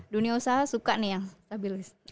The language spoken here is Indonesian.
dunia usaha suka nih yang stabilis